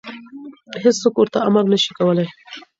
هېڅوک ورته امر نشي کولی.